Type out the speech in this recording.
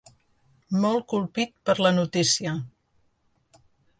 Molt colpit per la notícia.